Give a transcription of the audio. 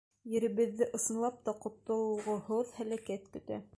Еребеҙҙе, ысынлап та, ҡотолғоһоҙ һәләкәт көтә.